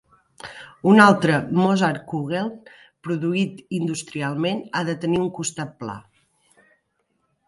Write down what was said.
Un altre Mozartkugeln produït industrialment ha de tenir un costat pla.